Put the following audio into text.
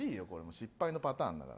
失敗のパターンだから。